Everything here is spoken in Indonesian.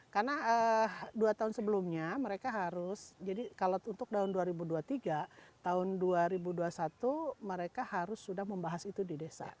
karena dua tahun sebelumnya mereka harus jadi kalau untuk tahun dua ribu dua puluh tiga tahun dua ribu dua puluh satu mereka harus sudah membahas itu di desa